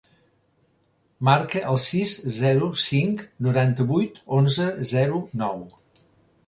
Marca el sis, zero, cinc, noranta-vuit, onze, zero, nou.